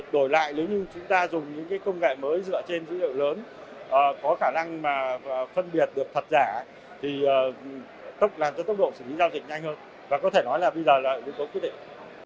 đổi lại nếu như chúng ta dùng những cái công nghệ mới dựa trên dữ liệu lớn có khả năng mà phân biệt được thật giả thì làm cho tốc độ xử lý giao dịch nhanh hơn và có thể nói là bây giờ là yếu tố quyết định